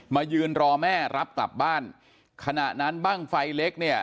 ยืนรอแม่รับกลับบ้านขณะนั้นบ้างไฟเล็กเนี่ย